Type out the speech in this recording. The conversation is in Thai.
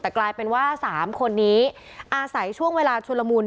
แต่กลายเป็นว่า๓คนนี้อาศัยช่วงเวลาชุลมุน